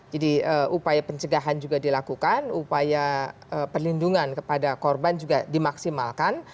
jadi upaya pencegahan juga dilakukan upaya perlindungan kepada korban juga dimaksimalkan